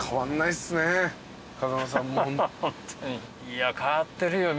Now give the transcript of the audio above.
いや変わってるよ。